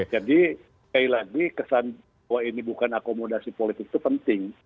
jadi sekali lagi kesan bahwa ini bukan akomodasi politik itu penting